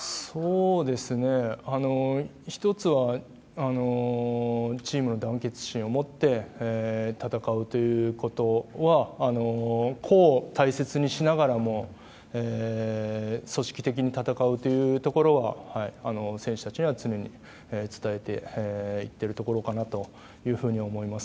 １つはチームの団結心を持って戦うということは個を大切にしながらも組織的に戦うというところは選手たちには常に伝えていってるところかなと思います。